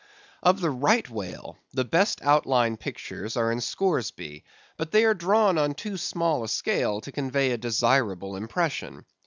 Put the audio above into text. Of the Right Whale, the best outline pictures are in Scoresby; but they are drawn on too small a scale to convey a desirable impression.